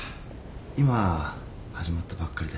今始まったばっかりで。